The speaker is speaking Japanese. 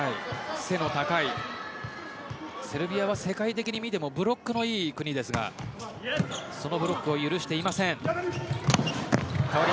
背の高いセルビアは世界的に見てもブロックのいい国ですがそのブロックを許していません。